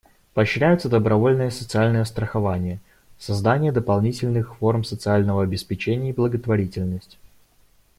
Поощряются добровольное социальное страхование, создание дополнительных форм социального обеспечения и благотворительность.